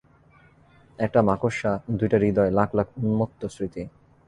একটা মাকড়সা, দুইটা হৃদয়, লাখ লাখ উন্মত্ত স্মৃতি।